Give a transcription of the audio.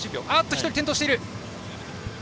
１人、転倒している。